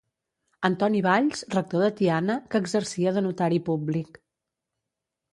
Antoni Valls, rector de Tiana, que exercia de notari públic.